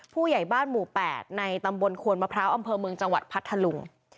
ผู้ใหญ่บ้านหมู่๘ในตำบลควนมะพร้าวอำเภอเมืองจังหวัดพัทธลุง